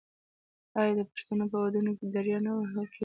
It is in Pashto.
آیا د پښتنو په ودونو کې دریا نه وهل کیږي؟